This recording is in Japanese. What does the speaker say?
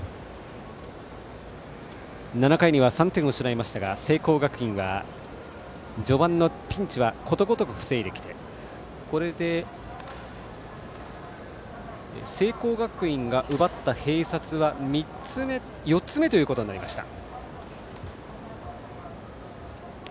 ７回には３点を失いましたが聖光学院は序盤のピンチはことごとく防いできてこれで、聖光学院が奪った併殺は４つ目となりました。